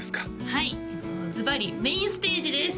はいずばりメインステージです